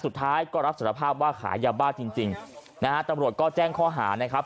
สุดท้ายก็รับสารภาพว่าขายยาบ้าจริงจริงนะฮะตำรวจก็แจ้งข้อหานะครับ